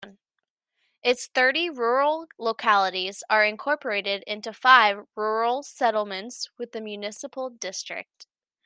Its thirty rural localities are incorporated into five rural settlements within the municipal district.